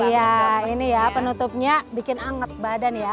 iya ini ya penutupnya bikin anget badan ya